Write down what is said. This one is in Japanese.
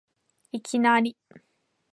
いきなり